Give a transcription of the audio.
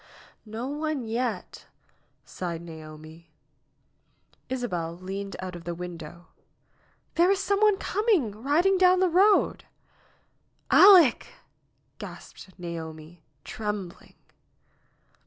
"No one yet!" sighed Naomi. Isabel leaned out of the window. "There is some one coming, riding down the road." "Aleck !" gasped Naomi, trembling.